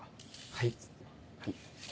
はい。